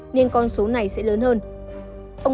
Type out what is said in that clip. nên con số này sẽ lớn hơn